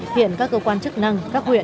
hiện các cơ quan chức năng các huyện